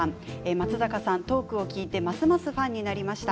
松坂さんのトークを聞いてますますファンになりました。